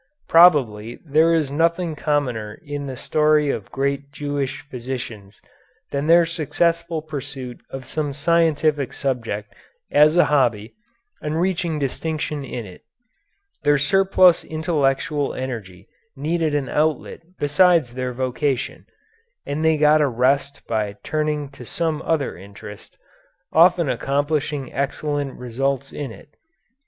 Probably there is nothing commoner in the story of great Jewish physicians than their successful pursuit of some scientific subject as a hobby and reaching distinction in it. Their surplus intellectual energy needed an outlet besides their vocation, and they got a rest by turning to some other interest, often accomplishing excellent results in it.